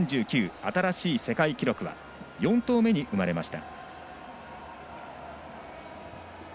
新しい世界記録は４投目に生まれました。